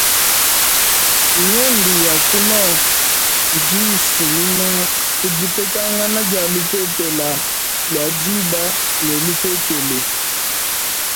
Miendu ya ku nord idi ifumina ku dipetangana dia lupepele lua dîba ne lupepele.